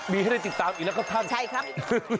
มีให้ติดตามไปก็ทำ